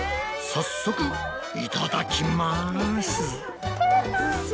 早速いただきます！